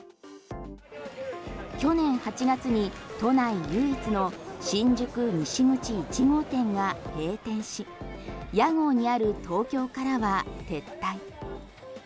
去年８月に都内唯一の新宿西口１号店が閉店し屋号にある東京からは撤退。